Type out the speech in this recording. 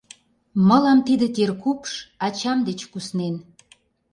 Мылам тиде теркупш ачам деч куснен.